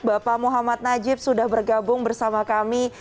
bapak muhammad najib sudah bergabung bersama kami